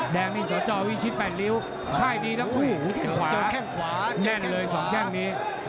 แดงนี่ตัวจอวิชิตแปดริ้วค่ายดีทั้งคู่ขู่แค่งขวาแน่นเลย๒แข้งนี้